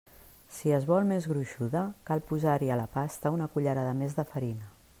Si es vol més gruixuda, cal posar-hi a la pasta una cullerada més de farina.